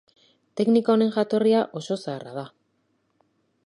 Teknika honen jatorria oso zaharra da.